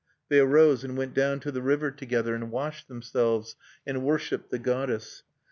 They arose, and went down to the river together, and washed themselves, and worshiped the goddess.